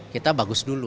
kita bagus dulu